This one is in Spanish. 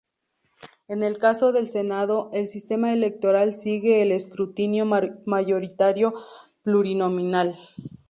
En el caso del Senado, el sistema electoral sigue el escrutinio mayoritario plurinominal.